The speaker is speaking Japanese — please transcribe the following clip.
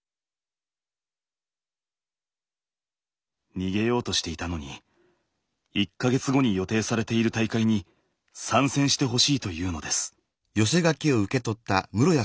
逃げようとしていたのに１か月後に予定されている大会に参戦してほしいというのです。